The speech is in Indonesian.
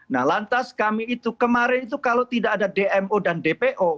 nah lantas kami itu kemarin itu kalau tidak ada dmo dan dpo